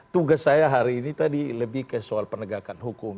tugas saya hari ini tadi lebih ke soal penegakan hukum